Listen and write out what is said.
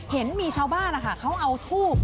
เห็นมีชาวบ้านนะคะเขาเอาทูบ